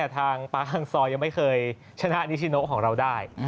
ปาฮังซอยังไม่เคยชนะนิชิโนของเราได้